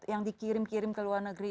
yang dikirim kirim ke luar negeri